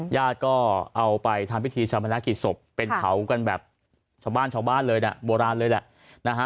ญาติก็เอาไปทำพิธีชามนากิจศพเป็นเผากันแบบชาวบ้านชาวบ้านเลยนะโบราณเลยแหละนะฮะ